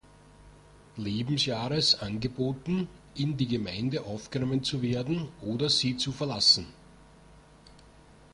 Lebensjahres angeboten, in die Gemeinde aufgenommen zu werden oder sie zu verlassen.